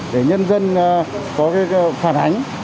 để nhân dân có phản ánh